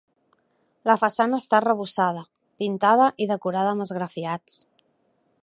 La façana està arrebossada, pintada i decorada amb esgrafiats.